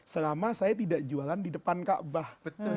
selama saya tidak jualan di depan kaabah